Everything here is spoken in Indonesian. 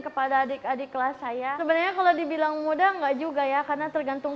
kepada adik adik kelas saya sebenarnya kalau dibilang muda enggak juga ya karena tergantung